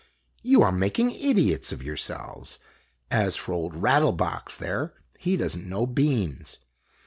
"You are making idiots of yourselves. As for Old Rattle box there, he does n't know beans.